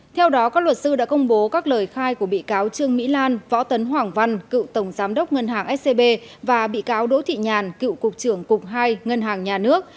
theo đó các luật sư đã công bố các lời khai của bị cáo trương mỹ lan võ tấn hoàng văn cựu tổng giám đốc ngân hàng scb và bị cáo đỗ thị nhàn cựu cục trưởng cục hai ngân hàng nhà nước